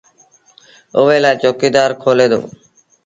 اُئي لآ چوڪيدآر در کولي دو